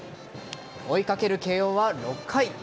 追いかける慶応は６回。